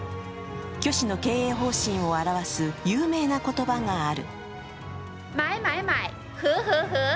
許氏の経営方針を表す有名な言葉がある。